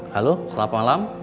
halo selamat malam